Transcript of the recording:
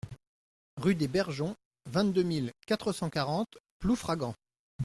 Rue des Bergeons, vingt-deux mille quatre cent quarante Ploufragan